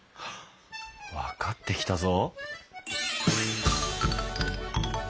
分かってきたぞ。